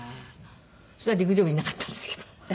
そしたら陸上部にいなかったんですけど。